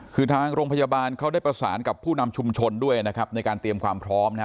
คือทางโรงพยาบาลเขาได้ประสานกับผู้นำชุมชนด้วยนะครับในการเตรียมความพร้อมนะฮะ